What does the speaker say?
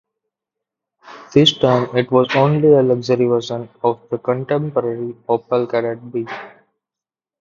This time it was only a luxury version of the contemporary Opel Kadett B.